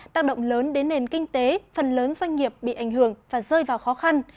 tác động lớn đến nền kinh tế phần lớn doanh nghiệp bị ảnh hưởng và rơi vào khó khăn